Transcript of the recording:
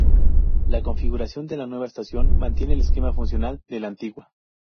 La configuración de la nueva estación mantiene el esquema funcional de la antigua.